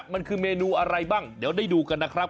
มันคือเมนูอะไรบ้างเดี๋ยวได้ดูกันนะครับ